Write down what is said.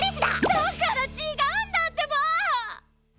だから違うんだってば！